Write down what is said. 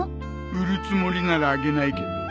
売るつもりならあげないけど。